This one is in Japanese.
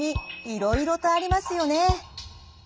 いろいろとありますよね。